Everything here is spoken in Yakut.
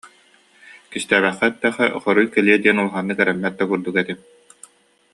Кистээбэккэ эттэххэ, хоруй кэлиэ диэн улаханнык эрэммэт да курдук этим